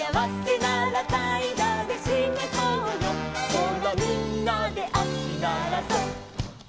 「ほらみんなで足ならそう」